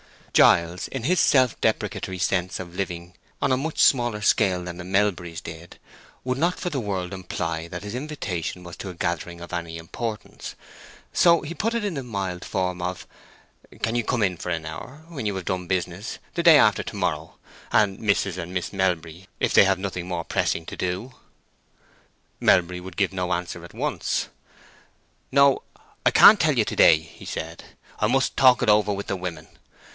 Giles, in his self deprecatory sense of living on a much smaller scale than the Melburys did, would not for the world imply that his invitation was to a gathering of any importance. So he put it in the mild form of "Can you come in for an hour, when you have done business, the day after to morrow; and Mrs. and Miss Melbury, if they have nothing more pressing to do?" Melbury would give no answer at once. "No, I can't tell you to day," he said. "I must talk it over with the women.